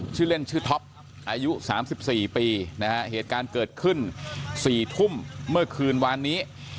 ชื่อเล่นชื่อท็อปอายุ๓๔ปีนะฮะเหตุการณ์เกิดขึ้น๔ทุ่มเมื่อคืนวานนี้